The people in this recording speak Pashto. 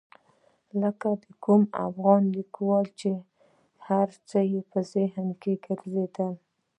لکه د کوم افغان لیکوال چې هر څه یې په ذهن کې ګرځېدل.